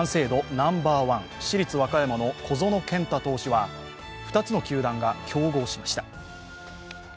ナンバーワン市立・和歌山の小園健太投手は２つの球団が競合しました。